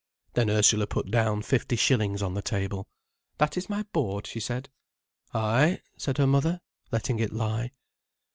Then Ursula put down fifty shillings on the table. "That is my board," she said. "Ay," said her mother, letting it lie.